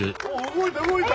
動いた動いた！